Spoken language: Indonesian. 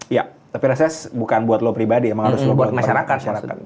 iya tapi reses bukan buat lo pribadi emang harus lo buat masyarakat